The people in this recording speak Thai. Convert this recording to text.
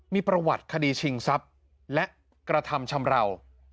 มีประวัติคดีชิงทรัพย์และกระทำชำราว